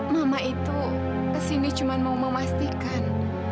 mama itu kesini cuma mau memastikan